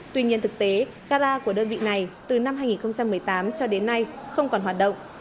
tuy nhiên thực tế gara của đơn vị này từ năm hai nghìn một mươi tám cho đến nay không còn hoạt động